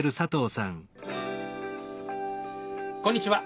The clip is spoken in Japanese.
こんにちは。